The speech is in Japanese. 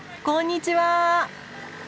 こんにちは。